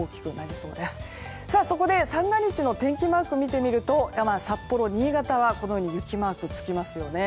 そこで、三が日の天気マーク見てみますと札幌、新潟は雪マークがつきますよね。